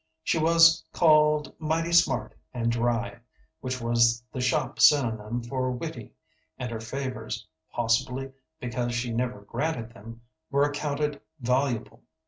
She was called mighty smart and dry, which was the shop synonym for witty, and her favors, possibly because she never granted them, were accounted valuable.